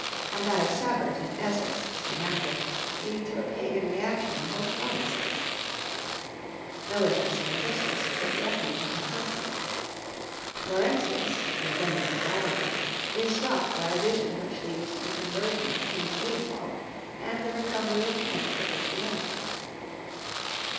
and that of Sabert in Essex, soon after, lead to a pagan reaction in both provinces; Mellitus and Justus take refuge on the Continent; Laurentius, intending to follow them, is stopped by a vision which leads to the conversion of King Eadbald and the recovery of Kent for Christianity.